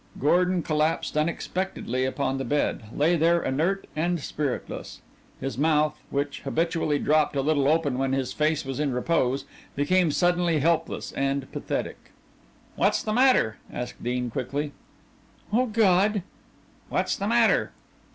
Gordon collapsed unexpectedly upon the bed; lay there inert and spiritless. His mouth, which habitually dropped a little open when his face was in repose, became suddenly helpless and pathetic. "What's the matter?" asked Dean quickly. "Oh, God!" "What's the matter?"